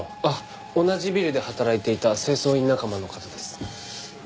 あっ同じビルで働いていた清掃員仲間の方です。